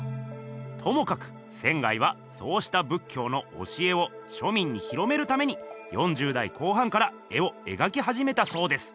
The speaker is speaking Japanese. ともかく仙はそうした仏教の教えを庶民に広めるために４０代後半から絵をえがきはじめたそうです。